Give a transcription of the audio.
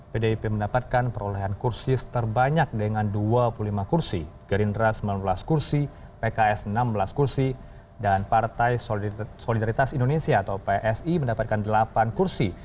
pdip mendapatkan perolehan kursi terbanyak dengan dua puluh lima kursi gerindra sembilan belas kursi pks enam belas kursi dan partai solidaritas indonesia atau psi mendapatkan delapan kursi